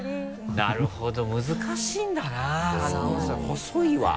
なるほど難しいんだなアナウンサー細いわ。